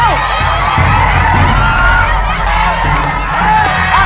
ไม่ออกเปลี่ยนเร็ว